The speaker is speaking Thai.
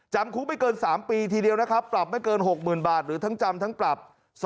จำคุกไม่เกิน๓ปีทีเดียวนะครับปรับไม่เกิน๖๐๐๐บาทหรือทั้งจำทั้งปรับ